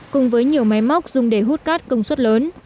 cùng với nhiều máy móc dùng để hút cát công suất lớn